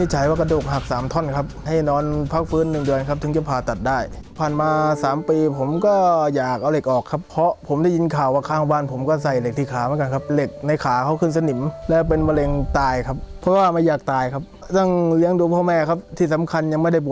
จนกว่าจะพบกันใหม่นะครับวันนี้สวัสดีครับ